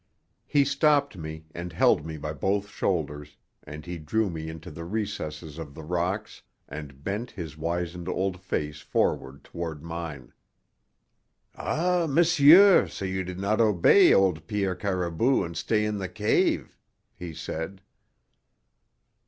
He stopped me and held me by both shoulders, and he drew me into the recesses of the rocks and bent his wizened old face forward toward mine. "Ah, monsieur, so you did not obey old Pierre Caribou and stay in the cave," he said.